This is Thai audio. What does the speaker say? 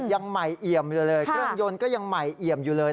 ยังใหม่เอี่ยมอยู่เลยเครื่องยนต์ก็ยังใหม่เอี่ยมอยู่เลย